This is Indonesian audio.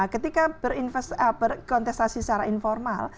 ketika berkontestasi secara informal